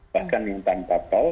bahkan yang tanpa tol